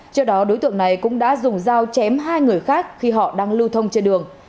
trước đó đối tượng này cũng đã dùng dao chém hai người khác khi họ đang lưu thông trên đường